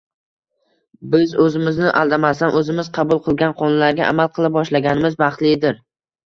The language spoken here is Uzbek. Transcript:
Biz o'zimizni aldamasdan, o'zimiz qabul qilgan qonunlarga amal qila boshlaganimiz baxtlidir!